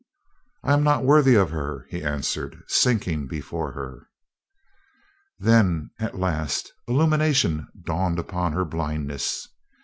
"I am not worthy of her," he answered, sinking before her. Then at last illumination dawned upon her blindness.